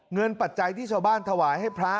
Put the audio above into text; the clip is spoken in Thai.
ปัจจัยที่ชาวบ้านถวายให้พระ